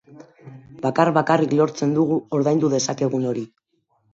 Bakar-bakarrik lortzen dugu ordaindu dezakegun hori.